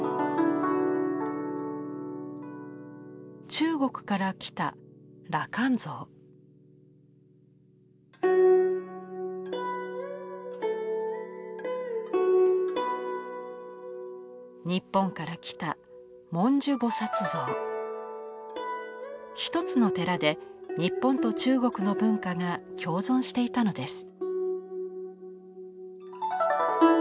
中国から来た日本から来た一つの寺で日本と中国の文化が共存していたのです。